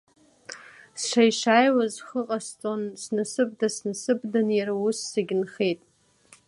Сшааи-шааиуаз, схы ҟасҵон снасыԥдан, снасыԥдан иара ус сагьынхеит.